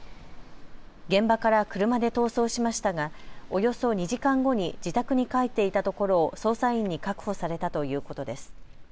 現場から車で逃走しましたがおよそ２時間後に自宅に帰っていたところを捜査員に確保されたということです。